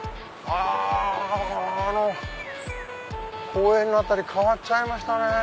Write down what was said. ああの公園の辺り変わっちゃいましたね。